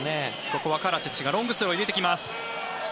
ここはカラチッチがロングスローを入れてきます。